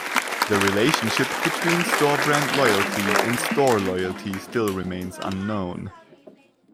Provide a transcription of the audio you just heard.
The relationship between store brand loyalty and store loyalty still remains unknown.